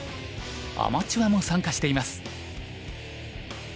アマチュアも参加しています。